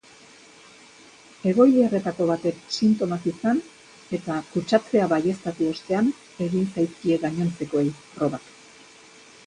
Egoiliarretako batek sintomak izan eta kutsatzea baieztatu ostean egin zaizkie gainontzekoei probak.